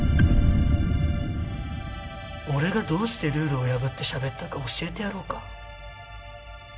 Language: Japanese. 俺がどうしてルールを破ってしゃべったか教えてやろうか？